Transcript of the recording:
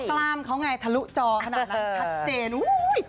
กล้ามเขาไงทะลุจอขนาดนั้นชัดเจนอุ้ย